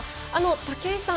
武井さん